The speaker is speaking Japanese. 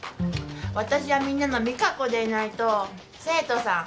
私はみんなのＭＩＫＡＫＯでいないと生徒さん